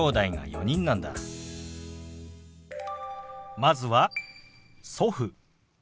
まずは「祖父」。